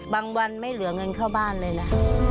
วันไม่เหลือเงินเข้าบ้านเลยนะ